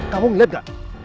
kamu ngeliat gak